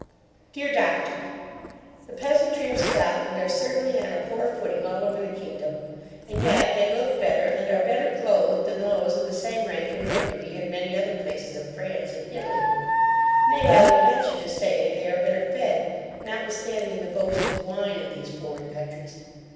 DEAR DOCTOR, The peasantry of Scotland are certainly on a poor footing all over the kingdom; and yet they look better, and are better cloathed than those of the same rank in Burgundy, and many other places of France and Italy; nay, I will venture to say they are better fed, notwithstanding the boasted wine of these foreign countries.